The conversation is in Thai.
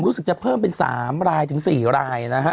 รู้สึกจะเพิ่มเป็น๓รายถึง๔รายนะฮะ